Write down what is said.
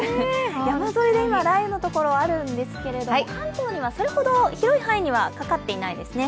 山沿いで今、雷雨のところはあるんですが関東にはそれほど広い範囲にはかかってないですね。